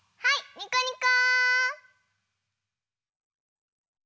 にこにこ！